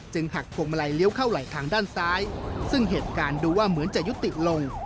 หักพวงมาลัยเลี้ยวเข้าไหลทางด้านซ้ายซึ่งเหตุการณ์ดูว่าเหมือนจะยุติลง